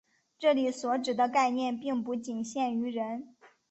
这里所指的概念并不仅限于人。